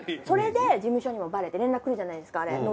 それで事務所にもバレて連絡来るじゃないですかあれ。